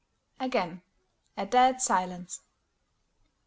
Again a dead silence.